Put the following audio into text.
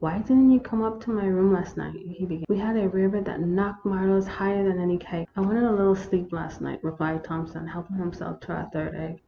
"Why didn't you come up to my room last night ?" he began. " We had a rarebit that knocked Marlowe's higher than any kite." " I wanted a little sleep last night, " replied Thompson, helping himself to a third egg.